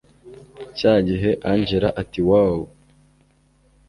cyagihe angella ati woooww